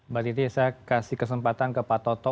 mbak titi saya kasih kesempatan ke pak toto